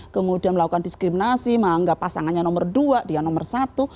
kemudian melakukan diskriminasi menganggap pasangannya nomor dua dia nomor satu